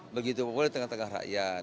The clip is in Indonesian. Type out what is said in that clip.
begitu populer di tengah tengah rakyat